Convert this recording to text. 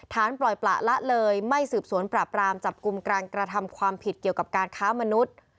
ปล่อยประละเลยไม่สืบสวนปราบรามจับกลุ่มการกระทำความผิดเกี่ยวกับการค้ามนุษย์